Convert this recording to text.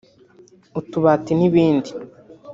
utubati n’ibindi